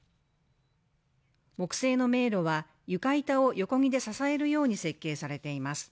木製の迷路は、床板を横木で支えるように設計されています。